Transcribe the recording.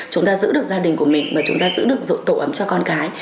chúng ta giữ được gia đình của mình và chúng ta giữ được tổ ấm cho con cái